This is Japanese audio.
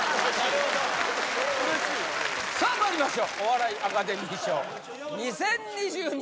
嬉しいさあまいりましょうお笑いアカデミー賞２０２２